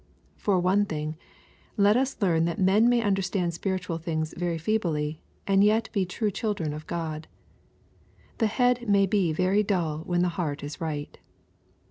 For one thing, let us learn that men may understand spiritual things very feebly, and yet be true children of God. The head may be very dull when the heart is right.